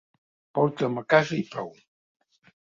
Porta'm a casa i prou.